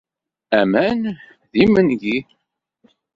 Aman d imengi.